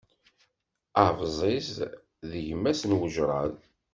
Abẓiz d gma-s n wejraḍ.